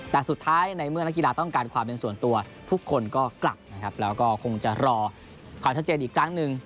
แต่สุดท้ายในเมื่อนักกีฬาต้องการความเป็นส่วนตัวทุกคนก็กลับนะครับแล้วก็คงจะรอความชัดเจนอีกครั้งหนึ่ง